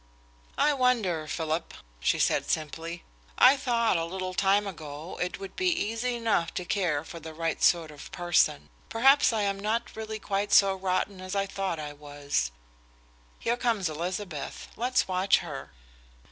"I wonder, Philip," she said simply. "I thought, a little time ago, it would be easy enough to care for the right sort of person. Perhaps I am not really quite so rotten as I thought I was. Here comes Elizabeth. Let's watch her."